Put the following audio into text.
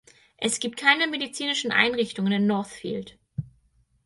Es gibt keine medizinischen Einrichtungen in Northfield.